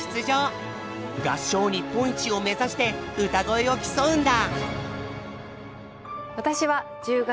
合唱日本一を目指して歌声を競うんだ。